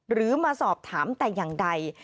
หรือมาสอบถามแต่อย่างใด